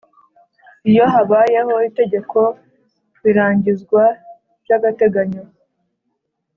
Iyo habayeho itegeko birangizwa by’agateganyo